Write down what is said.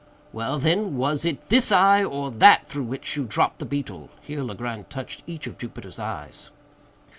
"Well, then, was it this eye or that through which you dropped the beetle?"—here Legrand touched each of Jupiter's eyes.